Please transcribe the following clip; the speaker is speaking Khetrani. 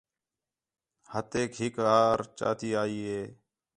ہتھیک ہِک ہار چاتی آئی ہِے